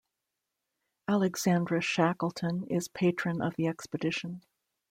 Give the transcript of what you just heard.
Alexandra Shackleton is patron of the expedition.